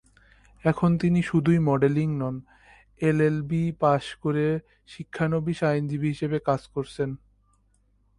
এখন তিনি শুধুই মডেলিং নন, এলএলবি পাশ করে শিক্ষানবিশ আইনজীবী হিসাবে কাজ করছেন।